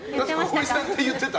浩市さんって言ってた。